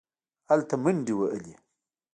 هلته منډې وهلې.